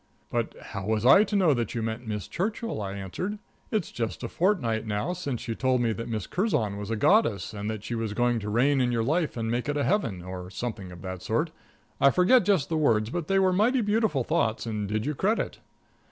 "But how was I to know that you meant Miss Churchill?" I answered. "It's just a fortnight now since you told me that Miss Curzon was a goddess, and that she was going to reign in your life and make it a heaven, or something of that sort. I forget just the words, but they were mighty beautiful thoughts and did you credit."